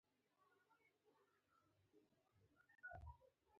منابع شتون لري